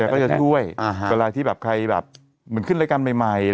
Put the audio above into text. แล้วก็จะช่วยเวลาที่แบบใครแบบเหมือนขึ้นรายการใหม่อะไรอย่างนี้